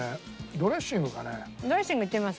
ドレッシングいってみます？